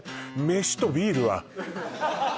飯とビールは？